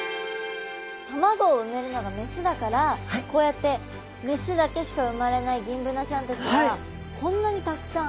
卵を産めるのが雌だからこうやって雌だけしか生まれないギンブナちゃんたちはこんなにたくさん。